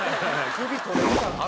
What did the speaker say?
首取れるからね